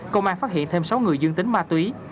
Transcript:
công an phát hiện thêm sáu người dương tính ma túy